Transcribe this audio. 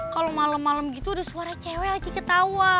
kalau malem malem gitu ada suara cewek lagi ketawa